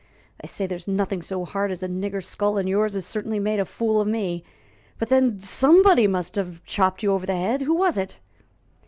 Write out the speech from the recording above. They say there's nothing so hard as a nigger's skull, and yours has certainly made a fool of me. But, then, somebody must have chopped you over the head; who was it?"